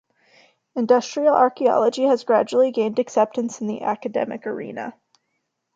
Industrial archaeology has gradually gained acceptance in the academic arena.